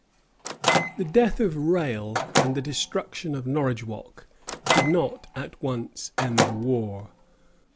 The death of Rale and the destruction of Norridgewock did not at once end the war.